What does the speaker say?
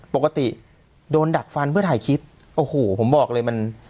ปกติโดนดักฟันเพื่อถ่ายคลิปโอ้โหผมบอกเลยมัน